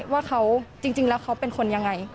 ว่าเขาจริงแล้วเขาเป็นคนยังไง